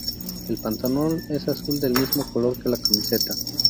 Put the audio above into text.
El pantalón es azul del mismo color que la camiseta.